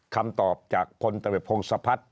คำตอบจากพลตรวจพงศพัฒน์